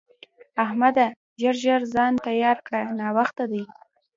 احمده! ژر ژر ځان تيار کړه؛ ناوخته دی.